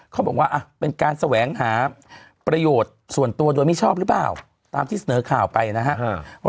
เขาบอกว่าเป็นการแสวงหาประโยชน์ส่วนตัวโดยไม่ชอบหรือเปล่าตามที่เสนอข่าวไปนะครับ